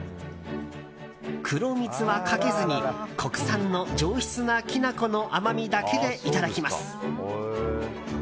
黒蜜はかけずに国産の上質なきな粉の甘みだけでいただきます。